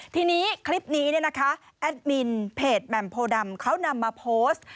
ทีนี้คลิปนี้เนี่ยนะคะแอดมินเพจแหม่มโพดำเขานำมาโพสต์